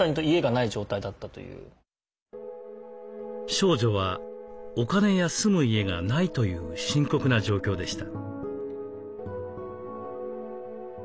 少女はお金や住む家がないという深刻な状況でした。